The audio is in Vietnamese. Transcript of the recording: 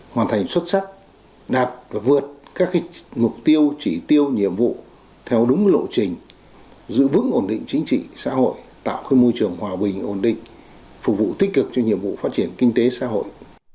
hoàn thành xuất sắc đạt và vượt các mục tiêu chỉ tiêu nhiệm vụ theo đúng lộ trình giữ vững ổn định chính trị xã hội tạo môi trường hòa bình ổn định phục vụ tích cực cho nhiệm vụ phát triển kinh tế xã hội